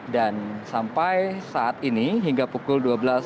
dan sampai saat ini hingga pukul dua belas enam